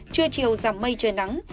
chưa chiều giảm mây trời nắng